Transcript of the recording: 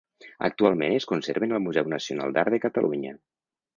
Actualment es conserven al Museu Nacional d'Art de Catalunya.